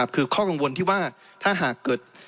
คือข้อกังวลที่ว่าถ้าหากเกิด